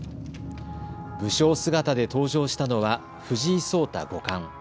武将姿で登場したのは藤井聡太五冠。